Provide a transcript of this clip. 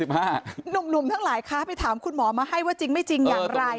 หนุ่มทั้งหลายค้าไปถามคุณหมอมาให้ว่าจริงไม่จริงอย่างไร